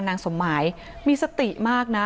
นางสมหมายมีสติมากนะ